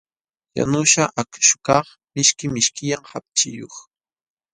Yanuśhqa akśhukaq mishki mishkillam hapchiyuq.